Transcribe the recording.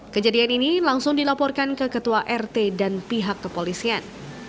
kejadian ini langsung dilaporkan ke ketua rt dan pihak kepolisian